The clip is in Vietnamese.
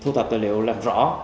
thu tập tài liệu làm rõ